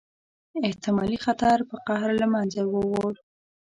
احتمالي خطر په قهر له منځه ووړ.